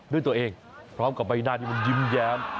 ด้วยตัวเองพร้อมกับใบหน้าที่มันยิ้มแย้ม